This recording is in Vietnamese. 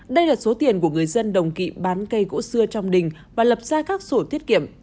đây là số tiền của người dân đồng kỵ bán cây gỗ xưa trong đình và lập ra các sổ tiết kiệm